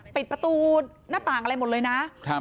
ปิดประตูหน้าต่างอะไรหมดเลยนะ